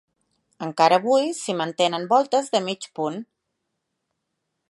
Encara avui s'hi mantenen voltes de mig punt.